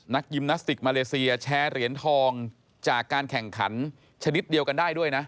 ยิมนาสติกมาเลเซียแชร์เหรียญทองจากการแข่งขันชนิดเดียวกันได้ด้วยนะ